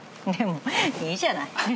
でもいいじゃない。